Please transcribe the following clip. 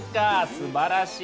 すばらしい。